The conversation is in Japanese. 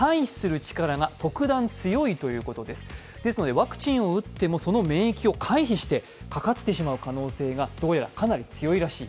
ワクチンを打っても、その免疫を回避してかかってしまう可能性がどうやらかなり強いらしい。